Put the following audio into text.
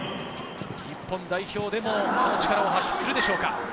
日本代表でもその力を発揮するでしょうか。